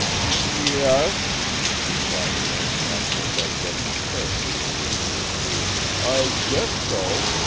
"Ye es," replied Link, after digesting carefully what he had heard. "I guess so.